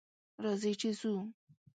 راځئ چې ځو